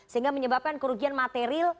sehingga menyebabkan kerugian materi